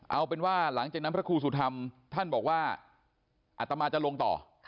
เอาเป็นว่าหลังจากนั้นพระครูสุธรรมท่านบอกว่าอัตมาจะลงต่อ